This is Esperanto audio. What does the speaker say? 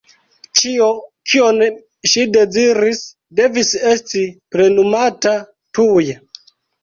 Ĉio, kion ŝi deziris, devis esti plenumata tuj.